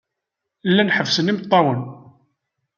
Llan ḥebbsen imeṭṭawen.